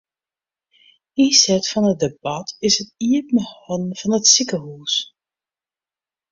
Ynset fan it debat is it iepenhâlden fan it sikehús.